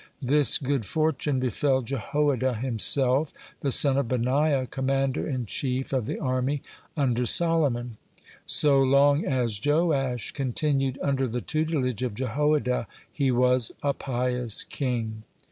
(10) This good fortune befell Jehoiada (11) himself, the son of Benaiah, commander in chief of the army under Solomon. So long as Joash continued under the tutelage of Jehoiada, he was a pious king.